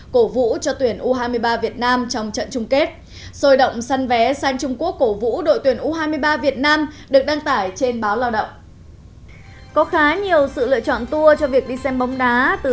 cổ vũ cho tuyển u hai mươi ba việt nam trong trận chung kết